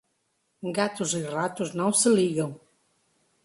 Gatos e ratos não se ligam.